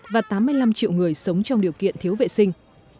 và tám mươi năm triệu người sống trong điều kiện thiếu vệ sinh